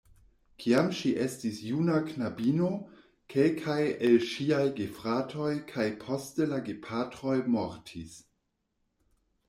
Kiam ŝi estis juna knabino, kelkaj el ŝiaj gefratoj kaj poste la gepatroj mortis.